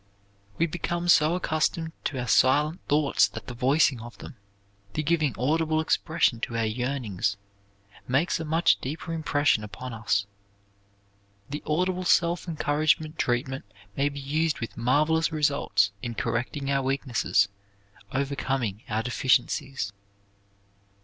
We become so accustomed to our silent thoughts that the voicing of them, the giving audible expression to our yearnings, makes a much deeper impression upon us. The audible self encouragement treatment may be used with marvelous results in correcting our weaknesses; overcoming our deficiencies.